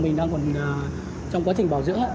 mình đang còn trong quá trình bảo dưỡng